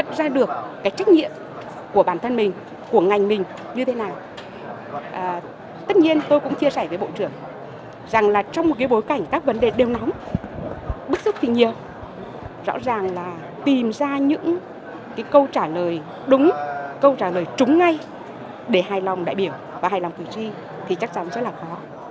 tất nhiên tôi cũng chia sẻ với bộ trưởng rằng là trong một cái bối cảnh các vấn đề đều nóng bức xúc thì nhiều rõ ràng là tìm ra những câu trả lời đúng câu trả lời trúng ngay để hài lòng đại biểu và hài lòng cử tri thì chắc chắn sẽ là khó